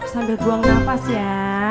sambil buang nafas ya